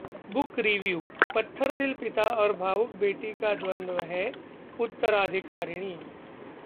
book review: पत्थरदिल पिता और भावुक बेटी का द्वंद्व है 'उत्तराधिकारिणी'